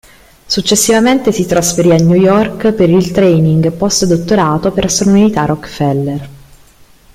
Successivamente si trasferì a New York per il training post-dottorato presso l'Università Rockefeller.